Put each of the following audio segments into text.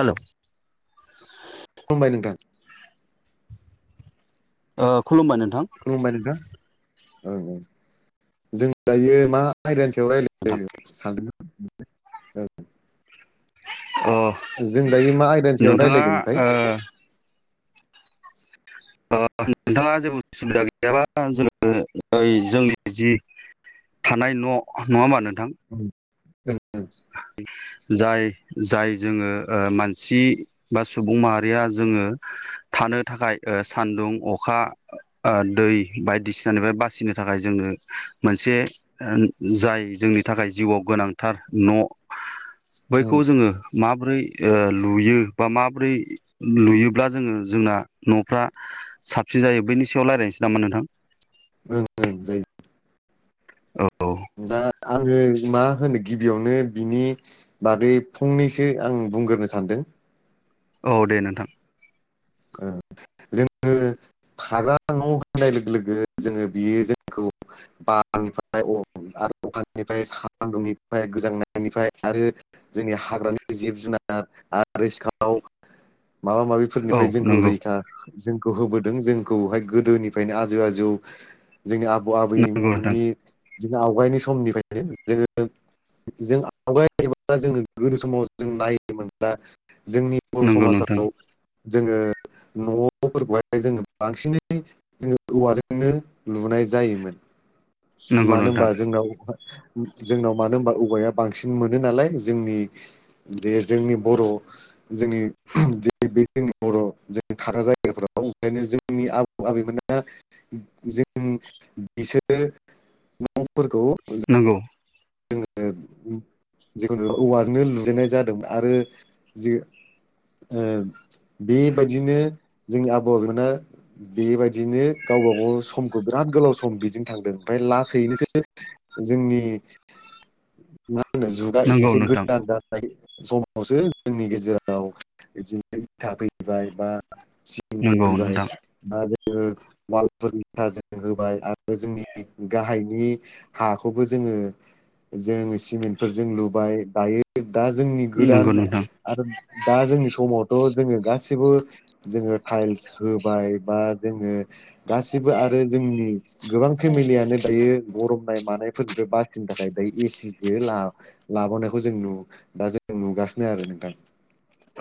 हेल' खुलुमबाय नोंथां। ओ खुलुम बाय नों खुलुमबाय नोंथां। औं औं जों दायो मा आदायनि सायाव नोंथां रायजलाय सानदोंमोन ओ अ जों दायो मा आयदानि सायाव नोंथाङा रायज्लायगोन ओमफाय? ओ ओ नोंथाङा जेबो उसुबिदा गैयाबा जोङो जोंनि जि थानाय न' नङा होनबा नों? औ [inaudible] जाय जाय जोङो ओ मानसि बा सुबुं माहारिया जोङो थानो थाखाय ओ सान्दुं अखा ओ दै बायदिसिनानिफ्राय बासिनो थाखाय जोङो मोनसे ओ जाय जोंनि थाखाय जिउआव गोनांथार न' ओं बैखौ जोङो माबोरै ओ लुयो बा मा बोरै लुयोब्ला जोङो जोंना न'फ्रा साबसिन जायो। बैनि सायाव रायज्लायनोसै नामा नोंथां? ओं ओं जायो औ दा आङो मा होनो गिबियावनो बिनि बागै फंनैसो आं बुंग्रोनो सानदों। औ दे नोंथां ‌। ओ जोङो थाग्रा न' होननाय लोगो लोगो जोङो बियो जोंखौ बारनिफ्राय आरो अखानिफ्राय, सानदुंनिफ्राय, गोजांनायनिफ्राय आरो जोंनि हाग्रानि जिब जुनार आरो सिखाव माबा माबि औ ओमफ्राय जोंखौ नंगौ रैखा जोंखौ होबोदों जोंखौहाय गोदोनिफ्रायनो आजो आजौ जोंनि आबौ नंगौ नोंथां आबैमोननि जों आवगायनि समनिफ्रायनो जोङो जों आवगायब जोङो गोदो समाव जों नायोमोनब्ला जोंनि बर' नंगौ नोंथां समाजाव जोङो न'फोरखौहाय जोङो बांसिनै जोङो औवाजोंनो लुनाय जायोमोन। नंगौ मानो नोंथां होनबा जोंनाव जोंनाव मानो होनबा औवाया बांसिन मोनो नालाय जोंनि बे जे जोंनि बर' जोंनि बे जों बर' जों थाग्रा जायगाफोराव ओंखायनो जोंनि आबौ आबैमोना जों बिसोरो न' फोरखौ नंगौ जों जोङो जिखुनु औवाजोंनो लुजेनन्नाय जादोंमोन आरो जों ओ बेबायाददिनो जोंनि आबौ आबैमोना बेबायदिनो गावबा गाव समखौ बिराद गोलाव सम बिदि थांदों ओमफ्राय लासैनोसो जोंनि मा? जुगा नंगौ एसे नोंथां गोजा जाबाय समावसो जोंनि गेजेराव बिदिनो बिथा फैबाय बा नंगौ सिंफैबाय नोंथां बा जों वालफोरनिरथा जों होबाय आरो जोंनि गाहायनि हाखौबो जोङो जों सिमेन्टफोरजों लुबाय दायो दा जोंनि गोदान नंगौ नोंथां आरो दा जोंनि समावथ' जोङो गासिबो जोङो थाइल्स होबाय बा जोङो गासिबो आरो जोंनि गोबां फेमिलियानो दायो गरम [inaudible] थाखाय बै एसि खो ला लाबावायखौ जों नु दा जों नुगासिनो सिनो आरो नोंथां।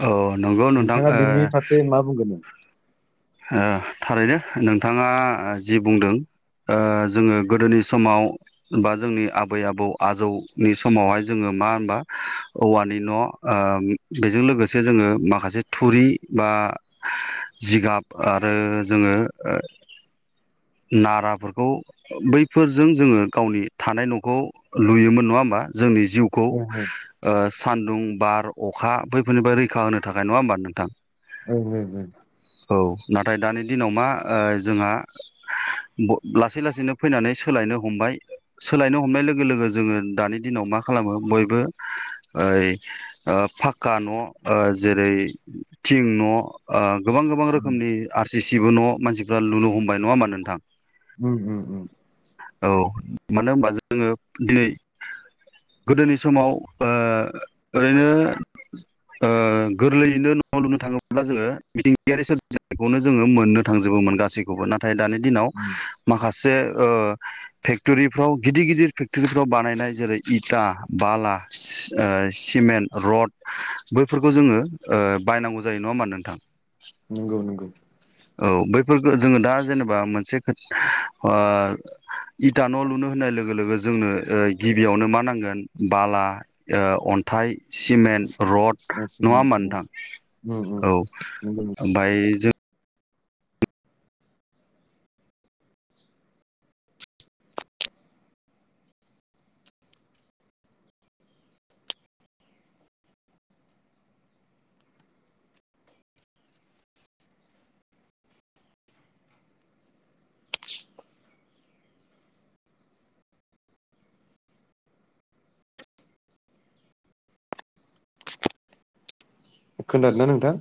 औ नंगौ नोंथां नोंथाङा ओ बिनि फारसे मा बुंगोन? ओह थारैनो नोंथाङा जि बुंदों ओ जोङो गोदोनि समाव बा जोंनि आबै आबौ आजौनि समावहाय जोङो मा होनबा औवानि न' ओ बेजों लोगोसे जोङो माखासे थुरि बा जिगाब आरो जोङो नाराफोरखौ बैफोरजों जोङो गावनि थानाय न'खौ लुयोमोन नङा होमबा जोंनि जिउखौ ओं ओ सान्दुं बार अखा बैफोरनिफ्राय रैखा होनो थाखाय नङा होमबा नोंथां? ओ ओ ओ औ नाथाय दानि दिनाव मा जोंहा ब लासै लासैनो फैनानै सोलायनो हमबाय सोलायनो हमनाय लोगो लोगो जोङो दानि दिनाव मा खालामो बयबो ओइ फाखक्का न' जेरै थिं न ओ' गोबां नि उम आर जे सिबो न' मानसिफ्रा लुनो हमबाय नङा होमबा नोंथां? उ उ उ औ मानो होनबा जोङो दिनै गोदोनि समाव ओरैनो गोरलैयैनो न'आव लुनो थाङोब्ला जोङो मिथिंगायारि सोर बेखौनो जोङो मोननो थांजोबोमोन गासैखौबो नाथाय। फाय दानि दिनाव उम माखासे से ओ फेक्ट'रिफ्राव गिदिर गिदिर फेक्टरिफ्राव बानायनाय जेरै इथा, बाला, सि ओ सिमेन्ट, रड बैफोरखौ जोङो बायनांगौ जायो नङा होमबा नोंथां? नोंगौ नंगौ औ बैफोरफोरखौ जोङो दा जेनेबा मोनसे ओ इटा न' लुनो होननाय लोगो लोगो जोंनो गिबियावनो मा नांगोन बाला ओ अन्थाइ सिमेन्ट रड नङा होमबा नोंथां नंगौ औ नंगौ ओमबाय जों खोनादोंना नोंथां?